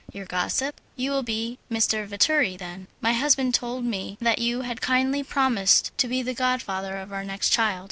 "Your gossip? You will be M. Vetturi, then? My husband told me that you had kindly promised to be the god father of our next child.